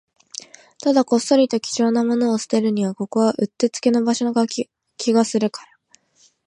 ただ、こっそりと貴重なものを捨てるには、ここはうってつけな場所な気がするから